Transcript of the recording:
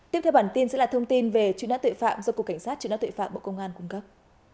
tiếp theo bản tin sẽ là thông tin về chuyên án tội phạm do cục cảnh sát chuyên án tội phạm bộ công an cung cấp